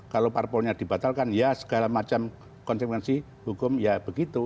kalau parpolnya dibatalkan ya segala macam konsekuensi hukum ya begitu